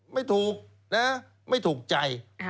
ไม่ถูกนะไม่ถูกใจ